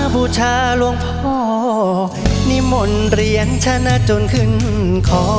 ผู้ชาลวงพอนิมนต์เรียนชนะจนขึ้นขอ